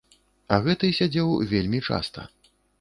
А гэты сядзеў вельмі часта.